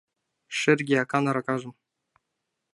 Шерге акан аракажым